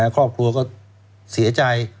ครอบครัวก็เสียใจ